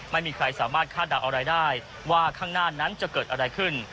ไม่มีใครสามารถคาดเดาอะไรได้ว่าข้างหน้านั้นจะเกิดอะไรขึ้น